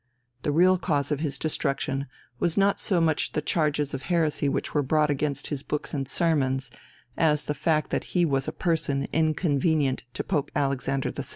The real cause of his destruction was not so much the charges of heresy which were brought against his books and sermons, as the fact that he was a person inconvenient to Pope Alexander VI.